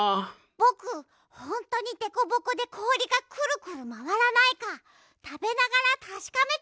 ぼくほんとにでこぼこでこおりがくるくるまわらないかたべながらたしかめたい！